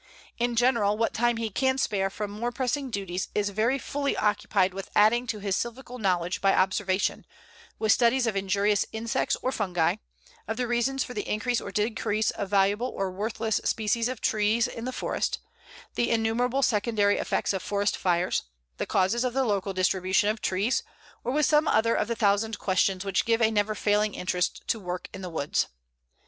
In general, what time he can spare from more pressing duties is very fully occupied with adding to his silvical knowledge by observation, with studies of injurious insects or fungi, of the reasons for the increase or decrease of valuable or worthless species of trees in the forest, the innumerable secondary effects of forest fires, the causes of the local distribution of trees, or with some other of the thousand questions which give a never failing interest to work in the woods.